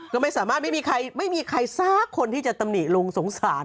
ก็ไม่สามารถไม่มีใครทราบคนที่จะตำหนิลุงสงสาร